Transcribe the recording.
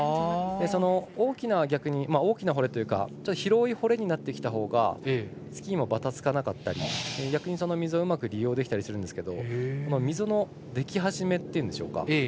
その大きな掘れというか広い掘れになってきたほうがスキーもばたつかなかったり逆に溝をうまく利用できたりするんですけど溝のでき始めというんでしょうか。